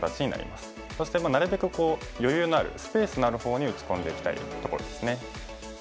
そしてなるべく余裕のあるスペースのある方に打ち込んでいきたいところですね。